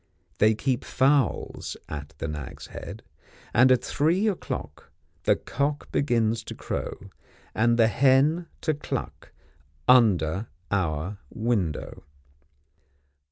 They keep fowls at the Nag's Head; and at three o'clock, the cock begins to crow, and the hen to cluck, under our window.